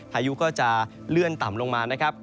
พายุก็จะเลื่อนต่ำลงมานะครับ